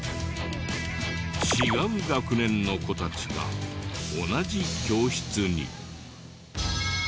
違う学年の子たちが同じ教室に。